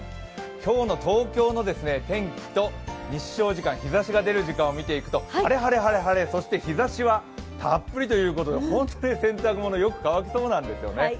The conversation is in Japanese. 今日の東京の天気と日照時間、日ざしが出る時間を見ていくと晴れ晴れ晴れ晴れそして日ざしはたっぷりということで、本当に洗濯物、よく乾きそうなんですよね。